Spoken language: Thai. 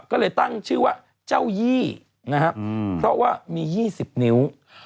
ก็เลยตั้งชื่อว่าเจ้ายี่นะครับเพราะว่ามี๒๐นิ้ว